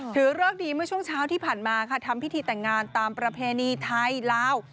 เริกดีเมื่อช่วงเช้าที่ผ่านมาค่ะทำพิธีแต่งงานตามประเพณีไทยลาว